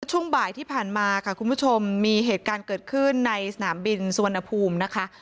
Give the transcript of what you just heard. ช่วงบ่ายที่ผ่านมาค่ะคุณผู้ชมมีเหตุการณ์เกิดขึ้นในสนามบินสุวรรณภูมินะคะ